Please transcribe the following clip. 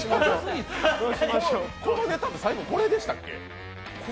このネタ、最後これでしたっけ？